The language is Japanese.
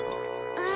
うん？